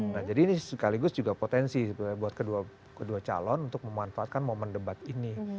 nah jadi ini sekaligus juga potensi buat kedua calon untuk memanfaatkan momen debat ini